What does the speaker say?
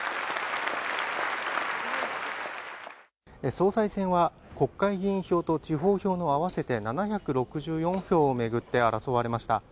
総裁選は、国会議員票と地方票の合わせて７６４票をめぐって争われました。